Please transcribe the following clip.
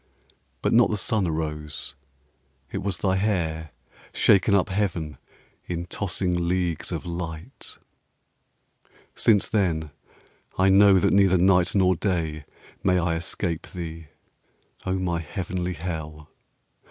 But not the sun arose: it was thy hair Shaken up heaven in tossing leagues of light. Since then I know that neither night nor day May I escape thee, O my heavenly hell!